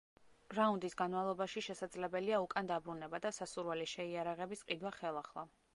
რაუნდის განმავლობაში შესაძლებელია უკან დაბრუნება და სასურველი შეიარაღების ყიდვა ხელახლა.